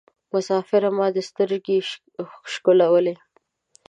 مسافره ما دي سترګي شکولولې